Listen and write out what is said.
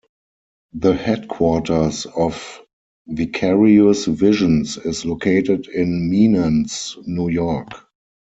The headquarters of Vicarious Visions is located in Menands, New York.